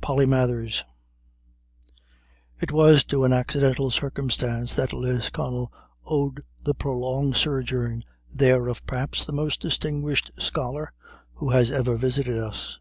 POLYMATHERS It was to an accidental circumstance that Lisconnel owed the prolonged sojourn there of perhaps the most distinguished scholar who has ever visited us.